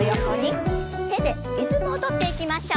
手でリズムを取っていきましょう。